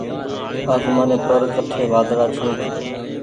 آسمآني پر ڪٺي وآۮڙآ ڇي۔